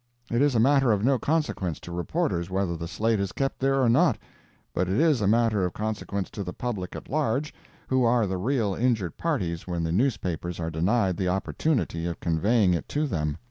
It is a matter of no consequence to reporters whether the slate is kept there or not; but it is a matter of consequence to the public at large, who are the real injured parties when the newspapers are denied the opportunity of conveying it to them.